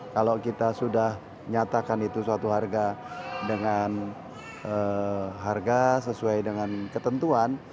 kalau kita sudah nyatakan itu suatu harga dengan harga sesuai dengan ketentuan